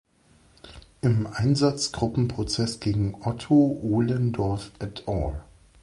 Im Einsatzgruppen-Prozess gegen Otto Ohlendorf et al.